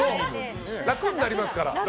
楽になりますから。